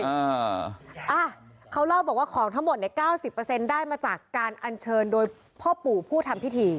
อ่าเขาเล่าบอกว่าของทั้งหมดเนี่ย๙๐ได้มาจากการอันเชิญโดยพ่อปู่ผู้ทำพิธี